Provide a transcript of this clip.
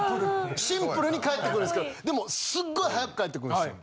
シンプルに返ってくるんですけどでもすっごい速く返ってくるんですよ。